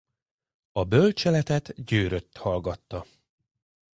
A bölcseletet Győrött hallgatta.